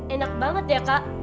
enak banget ya kak